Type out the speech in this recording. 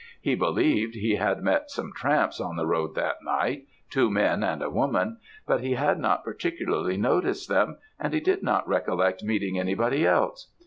He believed he had met some tramps on the road that night two men and a woman but he had not particularly noticed them, and he did not recollect meeting anybody else.